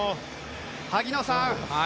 萩野さん